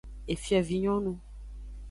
Efiovinyonu.